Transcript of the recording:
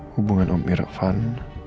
hubungan om irfan